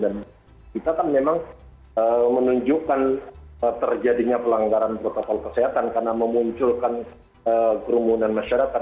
dan kita kan memang menunjukkan terjadinya pelanggaran protokol kesehatan karena memunculkan kerumunan masyarakat